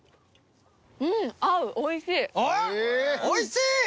「おいしい！」。